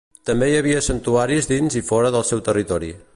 També hi havia santuaris dins i fora del seu territori.